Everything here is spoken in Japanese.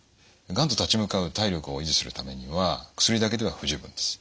がんと立ち向かう体力を維持するためには薬だけでは不十分です。